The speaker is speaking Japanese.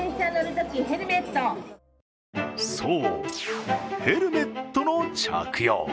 そう、ヘルメットの着用。